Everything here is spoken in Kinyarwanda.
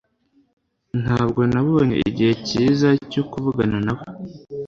Ntabwo nabonye igihe cyiza cyokuvugana nawe.